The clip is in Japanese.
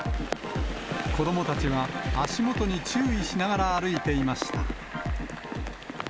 子どもたちは足元に注意しながら歩いていました。